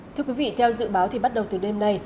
thưa quý vị theo dự báo thì bắt đầu từ đêm nay